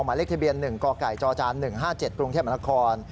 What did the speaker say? หมายเลขทะเบียน๑กกจจ๑๕๗กรุงเทพมนาคม